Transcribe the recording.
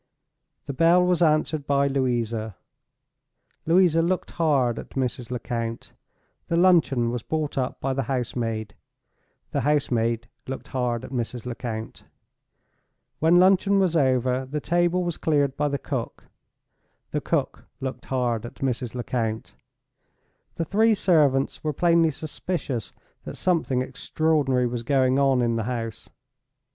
The bell was answered by Louisa—Louisa looked hard at Mrs. Lecount. The luncheon was brought up by the house maid—the house maid looked hard at Mrs. Lecount. When luncheon was over, the table was cleared by the cook—the cook looked hard at Mrs. Lecount. The three servants were plainly suspicious that something extraordinary was going on in the house.